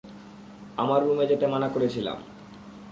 আমার রুমে যেতে মানা করেছিলাম।